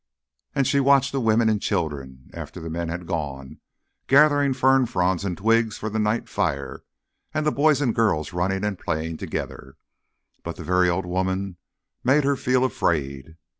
And she watched the women and children, after the men had gone, gathering fern fronds and twigs for the night fire, and the boys and girls running and playing together. But the very old woman made her feel afraid.